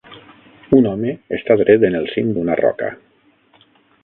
Un home està dret en el cim d'una roca.